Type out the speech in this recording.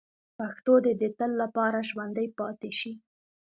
پښتو دې د تل لپاره ژوندۍ پاتې شي.